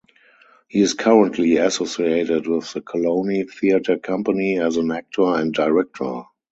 He is currently associated with the Colony Theatre Company as an actor and director.